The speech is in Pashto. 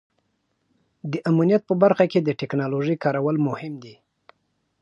د امنیت په برخه کې د ټیکنالوژۍ کارول مهم دي.